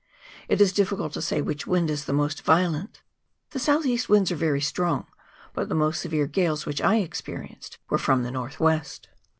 It is difficult to say which wind is the most violent : the south east winds are very strong, but the most severe gales which I experienced were from the north west.